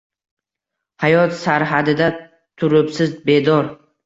Hayot sarhadida turibsiz bedor.